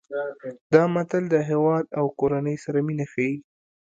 دا متل د هیواد او کورنۍ سره مینه ښيي